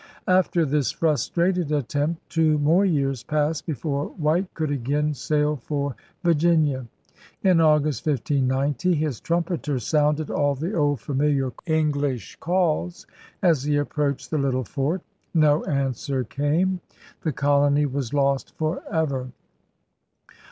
After this frustrated attempt two more years passed before White could again sail for Virginia. In August, 1590, his trumpeter sounded all the old familiar English calls as he approached the little fort. No answer came. The colony was lost for ever.